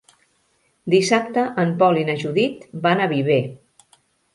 Dissabte en Pol i na Judit van a Viver.